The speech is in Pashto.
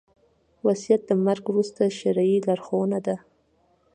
وصيت د مرګ وروسته شرعي لارښوونه ده